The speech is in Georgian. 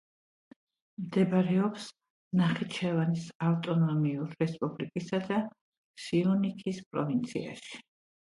მდებარეობს ნახიჩევანის ავტონომიურ რესპუბლიკისა და სიუნიქის პროვინციაში.